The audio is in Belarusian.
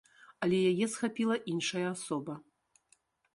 Але яе схапіла іншая асоба.